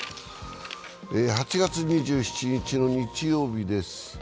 ８月２７日の日曜日です。